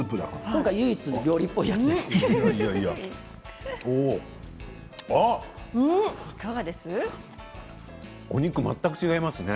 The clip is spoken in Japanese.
今回、唯一料理っぽいやつですね。